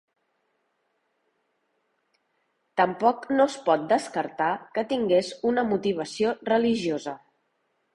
Tampoc no es pot descartar que tingués una motivació religiosa.